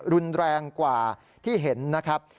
รุนแรงกว่าที่เห็นนะครับ